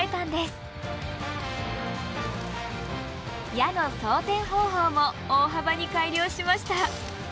矢の装填方法も大幅に改良しました。